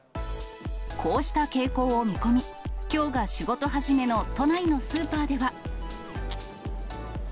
こうした傾向を見込み、きょうが仕事始めの都内のスーパーでは。